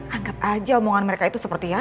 anggap aja omongan mereka itu seperti apa